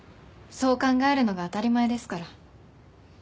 そう考えるのが当たり前ですから。